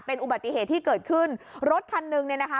เป็นอุบัติเหตุที่เกิดขึ้นรถคันหนึ่งเนี่ยนะคะ